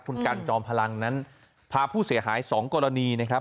คุณกันจอมพลังนั้นพาผู้เสียหาย๒กรณีนะครับ